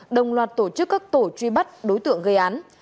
đồng loạt tổ chức các tổ truy bắt đối tượng gây án